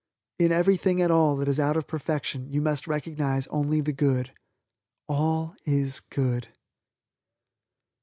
In everything at all that is out of perfection you must recognize only the good. ALL IS GOOD.